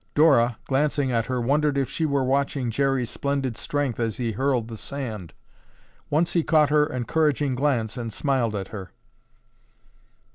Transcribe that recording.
Dora, glancing at her, wondered if she were watching Jerry's splendid strength as he hurled the sand. Once he caught her encouraging glance and smiled at her.